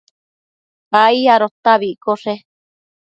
ai adota abi iccoshe